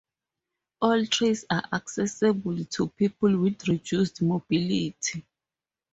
All trails are accessible to people with reduced mobility.